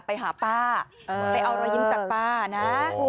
ไปหาป้าไปเอารอยยิ้มจากป้านะ